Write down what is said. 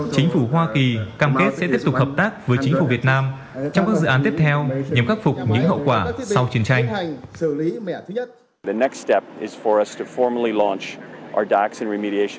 chính phủ hoa kỳ cam kết sẽ tiếp tục hợp tác với chính phủ việt nam trong các dự án tiếp theo